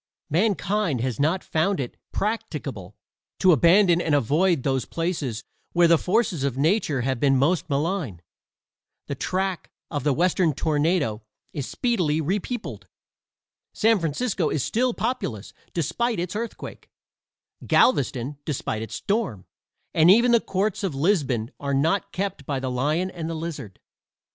Mankind has not found it practicable to abandon and avoid those places where the forces of nature have been most malign. The track, of the Western tornado is speedily repeopled. San Francisco is still populous, despite its earthquake, Galveston despite its storm, and even the courts of Lisbon are not kept by the lion and the lizard.